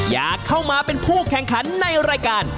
อยากเข้ามาเป็นผู้แข่งขันในรายการ